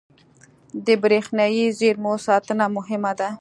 • د برېښنايي زېرمو ساتنه مهمه ده.